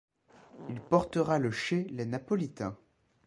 Il portera le chez les napolitains.